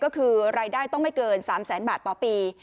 ก็คือรายได้ต้องไม่เกิน๓แสนบาทต่อปี